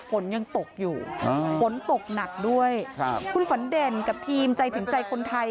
ฝนยังตกอยู่ฝนตกหนักด้วยครับคุณฝันเด่นกับทีมใจถึงใจคนไทย